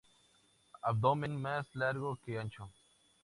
Abdomen más largo que ancho.